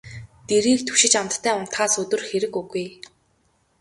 Дэрийг түшиж амттай унтахаас өдөр хэрэг үгүй.